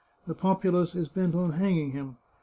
The populace is bent on hanging him.